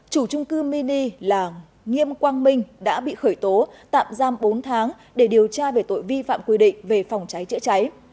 chủ trung cư mini là nghiêm quang minh đã bị khởi tố tạm giam bốn tháng để điều tra về tội vi phạm quy định về phòng cháy chữa cháy